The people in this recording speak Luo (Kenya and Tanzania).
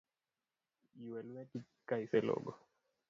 Ywe lweti ka iselogo.